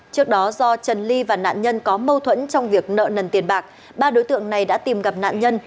trước đó do trần ly và nạn nhân có mâu thuẫn trong việc nợ nần tiền bạc ba đối tượng này đã tìm gặp nạn nhân